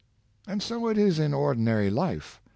And so it is in ordinary life.